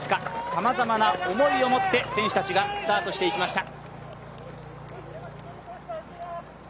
さまざまな思いを持って選手たちがスタートしていきました。